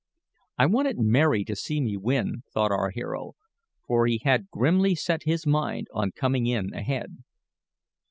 "I wanted Mary to see me win," thought our hero, for he had grimly set his mind on coming in ahead.